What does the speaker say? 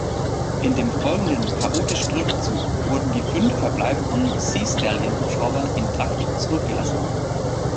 In dem folgenden chaotischen Rückzug wurden die fünf verbleibenden "Sea-Stallion"-Hubschrauber intakt zurückgelassen.